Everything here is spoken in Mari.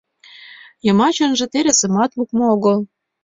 Йымачынже терысымат лукмо огыл.